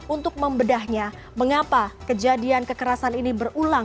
untuk membedahnya mengapa kejadian kekerasan ini berulang